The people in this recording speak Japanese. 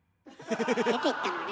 出ていったのね。